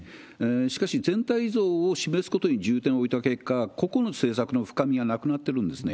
しかし、全体像を示すことに重点を置いた結果、個々の政策の深みがなくなってるんですね。